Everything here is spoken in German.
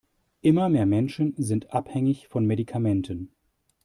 Immer mehr Menschen sind abhängig von Medikamenten.